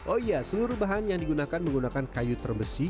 oh iya seluruh bahan yang digunakan menggunakan kayu terbesi